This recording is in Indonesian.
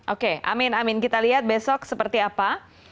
oke amin amin kita lihat besok seperti apa